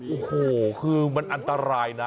โอ้โหคือมันอันตรายนะ